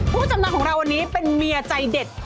ผู้จำนำของเราวันนี้เป็นเมียใจเด็ด